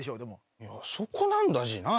いやそこなんだＧな。